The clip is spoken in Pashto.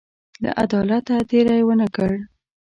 له عدالته تېری ونه کړ.